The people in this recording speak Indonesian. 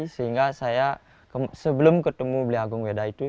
sehingga saya sebelum ketemu belia gung weda itu